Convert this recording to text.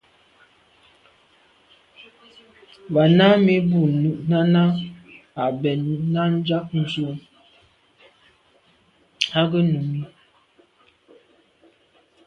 Ba nǎmî bû Nánái bɛ̂n náɁ ják ndzwə́ á gə́ Númíi.